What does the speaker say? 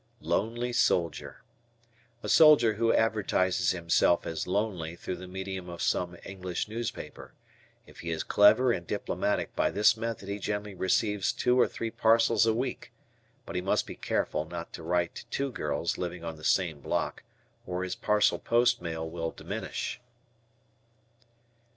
"Lonely Soldier." A soldier who advertises himself as "lonely" through the medium of some English newspaper. If he is clever and diplomatic by this method he generally receives two or three parcels a week, but he must be careful not to write to two girls living on the same block or his parcel post mail will diminish.